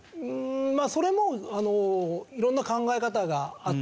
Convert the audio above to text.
まあそれもあの色んな考え方があって。